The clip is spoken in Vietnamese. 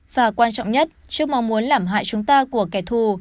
và quan trọng nhất trước mong muốn làm hại chúng ta của kẻ thù